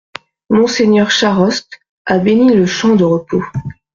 Mgr Charost, a béni le champ de repos.